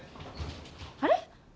あれ？